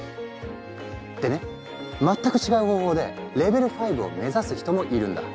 でね全く違う方法でレベル５を目指す人もいるんだ。